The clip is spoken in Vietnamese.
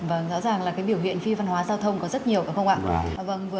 vâng rõ ràng là cái biểu hiện phi văn hóa giao thông có rất nhiều đúng không ạ